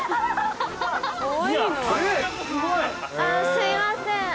◆すいません。